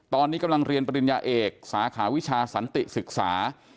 ตอนนี้กำลังเรียนปริญญาเอกสาขาวิชาสันติศึกษา